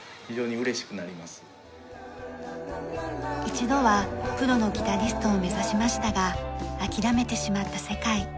一度はプロのギタリストを目指しましたが諦めてしまった世界。